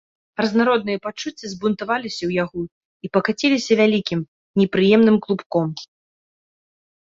Разнародныя пачуцці збунтаваліся ў яго і пакаціліся вялікім, непрыемным клубком.